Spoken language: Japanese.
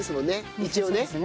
一応ね。